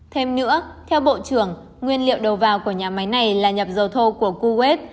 thêm nữa theo bộ trưởng nguyên liệu đầu vào của nhà máy này là nhập dầu thô của kuwait